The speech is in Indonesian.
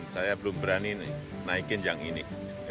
saya belum berani naikin yang ini